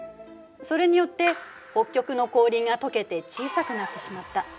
それによって北極の氷が解けて小さくなってしまった。